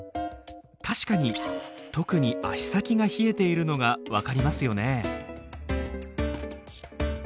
確かに特に足先が冷えているのが分かりますよね。